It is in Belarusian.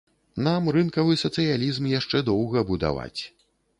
Нам рынкавы сацыялізм яшчэ доўга будаваць.